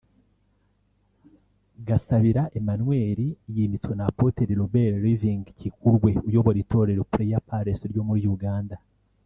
Gasabira Emmanuel yimitswe na Apotre Robert Living Kikulwe uyobora itorero Prayer Palace ryo muri Uganda